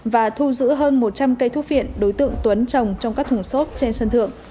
và thu giữ hơn một trăm linh cây thuốc phiện đối tượng tuấn trồng trong các thùng xốp trên sân thượng